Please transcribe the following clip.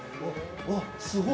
◆うわっ、すごい。